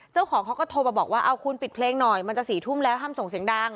เจ้าของเขาก็โทรมาบอกว่าเอาคุณปิดเพลงหน่อยมันจะ๔ทุ่มแล้วห้ามส่งเสียงดัง